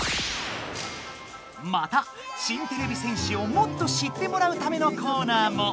また新てれび戦士をもっと知ってもらうためのコーナーも。